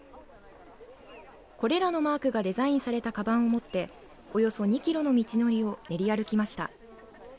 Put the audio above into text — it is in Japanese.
これらのマークがデザインされたかばんを持っておよそ２キロの道のりを練り歩きました。